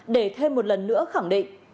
để thêm một lần nữa khẳng định